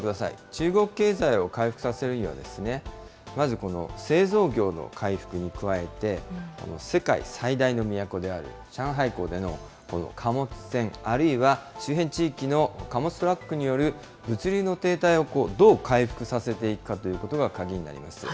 中国経済を回復させるには、まずこの製造業の回復に加えて、世界最大の港である上海港での貨物船、あるいは周辺地域の貨物トラックによる物流の停滞をどう回復させていくかということが鍵になります。